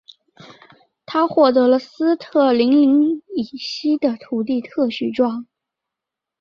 他获得了斯特林岭以西的土地特许状。